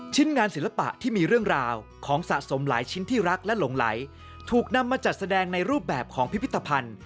งานศิลปะที่มีเรื่องราวของสะสมหลายชิ้นที่รักและหลงไหลถูกนำมาจัดแสดงในรูปแบบของพิพิธภัณฑ์